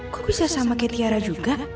kok bisa sama kayak tiara juga